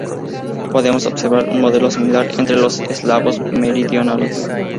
Podemos observar un modelo similar entre los eslavos meridionales.